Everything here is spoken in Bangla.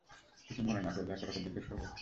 কিছু মনে না করলে একটা কথা জিজ্ঞেস করব?